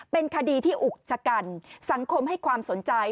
เป็นคดีที่อุกชะกันสังคมให้ความสนใจ